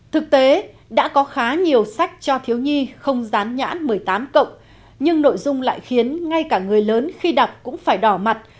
thực tế đã có khá nhiều sách cho thiếu nhi không dán nhãn một mươi tám cộng nhưng nội dung lại khiến ngay cả người lớn khi đọc cũng phải đỏ mặt